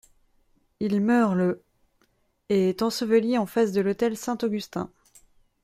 Il meurt le et est enseveli en face de l'autel Saint-Augustin.